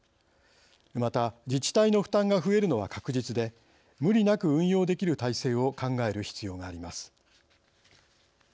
また自治体の負担が増えるのは確実で無理なく運用できる体制を考える必要があります。